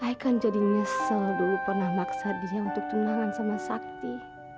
saya kan jadi nyesel dulu pernah maksa dia untuk tenangan sama sakti